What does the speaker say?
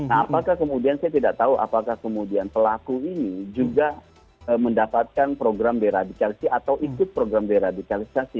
nah apakah kemudian saya tidak tahu apakah kemudian pelaku ini juga mendapatkan program deradikalisasi atau ikut program deradikalisasi